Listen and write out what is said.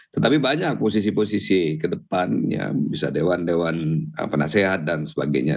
tetapi banyak posisi posisi ke depannya bisa dewan dewan penasehat dan sebagainya